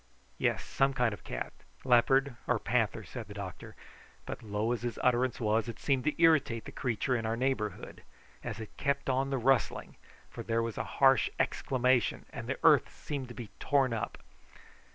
"Yes; some kind of cat, leopard, or panther," said the doctor; but, low as his utterance was, it seemed to irritate the creature in our neighbourhood, as it kept on the rustling, for there was a harsh exclamation and the earth seemed to be torn up.